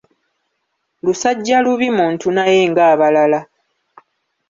Lusajjalubi muntu naye ng'abalala.